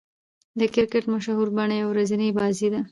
د کرکټ مشهوره بڼه يوه ورځنۍ بازي ده.